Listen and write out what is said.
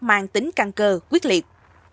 mang tính căng cơ quyết liệt